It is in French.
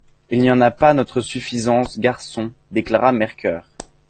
«Il n'y en a pas notre suffisance, garçons, déclara Mercœur.